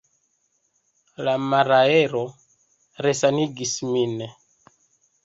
La maraero resanigis min.